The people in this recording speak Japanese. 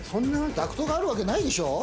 ダクトがあるわけないでしょ。